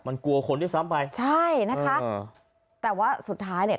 มันกลัวคนด้วยซ้ำไปใช่นะคะอ่าแต่ว่าสุดท้ายเนี่ย